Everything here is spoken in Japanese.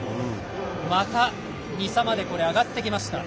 また２差まで上がってきました。